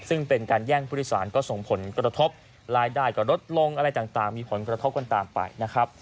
ซึ่งเป็นการแย่งพฤษศาลก็ส่งผลกระทบรายได้กับรถลงอะไรต่าง